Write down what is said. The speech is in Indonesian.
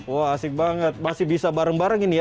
wah asik banget masih bisa bareng bareng ini ya